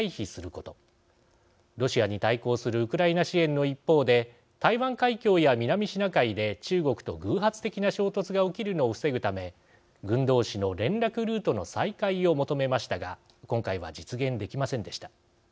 ロシアに対抗するウクライナ支援の一方で台湾海峡や南シナ海で中国と偶発的な衝突が起きるのを防ぐため軍同士の連絡ルートの再開を求めましたが今回は実現できませんでした。